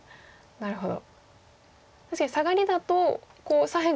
なるほど。